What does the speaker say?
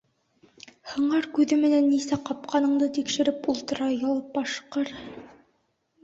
Һыңар күҙе менән нисә ҡапҡаныңды тикшереп ултыра, ялпашҡыр!